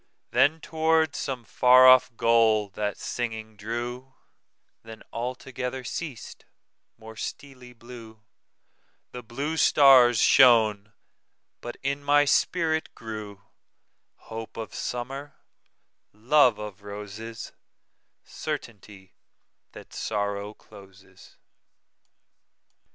Then toward some far off goal that singing drew; Then altogether ceas'd; more steely blueThe blue stars shone; but in my spirit grewHope of Summer, love of Roses, Certainty that Sorrow closes.